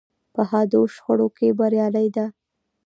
په حادو شخړو کې بریالۍ ده.